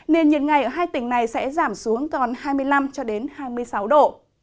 nền nhiệt ngày ở hai tỉnh này sẽ giảm xuống còn hai mươi năm cho đến hai mươi sáu độ